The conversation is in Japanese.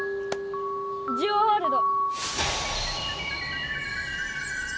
ジオワールド！